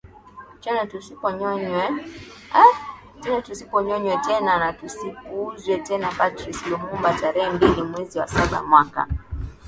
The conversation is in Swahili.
tena tusinyonywe tena na tusipuuzwe tenaPatrice Lumumba tarehe mbili mwezi wa saba mwaka